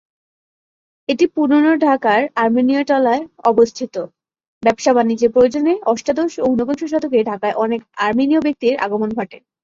এটি পুরানো ঢাকার আর্মানিটোলায় অবস্থিত। ব্যবসা-বাণিজ্যের প্রয়োজনে অষ্টাদশ ও ঊনবিংশ শতকে ঢাকায় অনেক আর্মেনীয় ব্যক্তির আগমন ঘটে।